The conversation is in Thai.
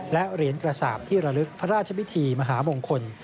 และเหรียญกระสาปที่ระลึกพระราชพิธีมหามงคล